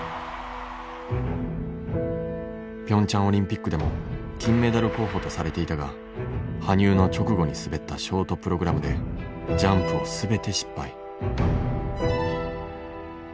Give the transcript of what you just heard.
ピョンチャンオリンピックでも金メダル候補とされていたが羽生の直後に滑ったショートプログラムでジャンプを全て失敗。